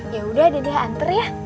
ya udah deh anter ya